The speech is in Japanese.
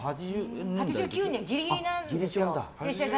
８９年、ギリギリなんです。